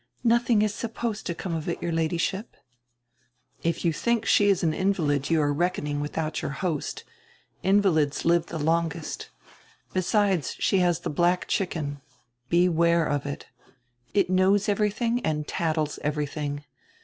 "Nothing is supposed to come of it, your Ladyship." "If you diink she is an invalid you are reckoning with out your host. Invalids live die longest. Besides she has die hlack chicken. Beware of it. It knows everydiing and tatdes everything.